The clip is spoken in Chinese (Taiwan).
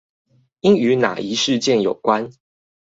應與那一事件有關？